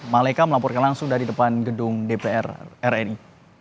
malaika melaporkan langsung dari depan gedung dpr ri